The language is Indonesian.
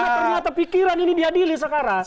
karena pikiran ini diadili sekarang